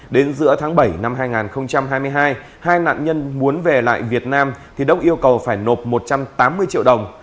đến giữa tháng bảy năm hai nghìn hai mươi hai hai nạn nhân muốn về lại việt nam thì đốc yêu cầu phải nộp một trăm tám mươi triệu đồng